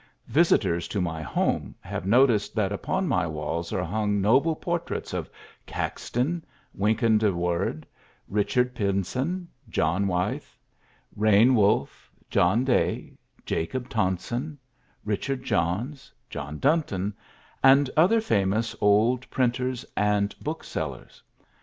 Visitors to my home have noticed that upon my walls are hung noble portraits of Caxton, Wynkin de Worde, Richard Pynson, John Wygthe, Rayne Wolfe, John Daye, Jacob Tonson, Richard Johnes, John Dunton, and other famous old printers and booksellers.